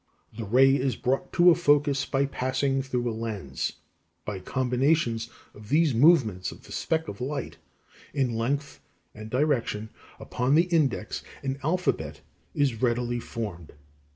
The ray is brought to a focus by passing through a lens. By combinations of these movements of the speck of light (in length and direction) upon the index, an alphabet is readily formed.